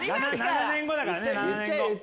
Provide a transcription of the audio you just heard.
７年後だからね。